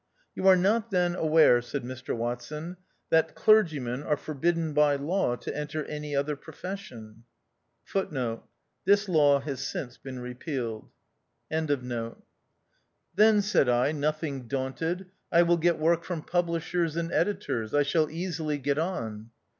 "You are not then aware," said Mr Watson, "that clergymen are forbidden by law to enter any other profession ?"* This law has since been repealed. * THE OUTCAST. in " Then," said I, nothing daunted, " I will get work from publishers and editors. I shall easily get on."